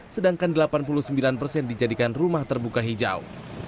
sedangkan delapan puluh sembilan persen dijadikan rumah terbuka hijau